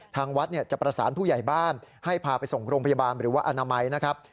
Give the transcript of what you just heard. ทางวัดจะประสานผู้ใหญ่บ้านให้พาไปส่งโรงพยาบาลหรือว่าอนามัยนะครับ